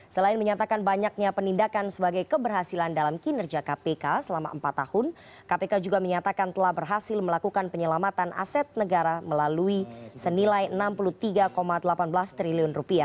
selain menyatakan banyaknya penindakan sebagai keberhasilan dalam kinerja kpk selama empat tahun kpk juga menyatakan telah berhasil melakukan penyelamatan aset negara melalui senilai rp enam puluh tiga delapan belas triliun